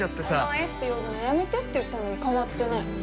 お前って呼ぶのやめてって言ったのに変わってない。